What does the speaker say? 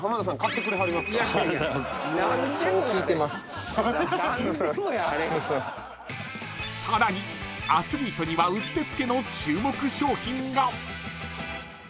［さらにアスリートにはうってつけの注目商品が］